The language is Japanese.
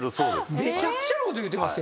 めちゃくちゃなこと言うてますやん。